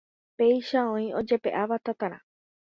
Péicha oĩ ojepe'aváva tatarã